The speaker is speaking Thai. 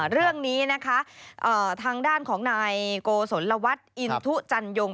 เรื่องนี้นะคะทางด้านของนายโกศลวัฒน์อินทุจันยง